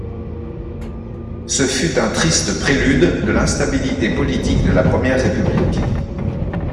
Ce fut un triste prélude de l'instabilité politique de la Première République.